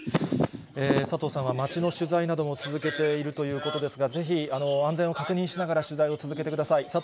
佐藤さんは街の取材なども続けているということですが、ぜひ、安全を確認しながら取材を続けてください。